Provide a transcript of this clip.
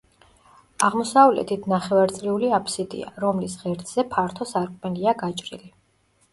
აღმოსავლეთით ნახევარწრიული აფსიდია, რომლის ღერძზე ფართო სარკმელია გაჭრილი.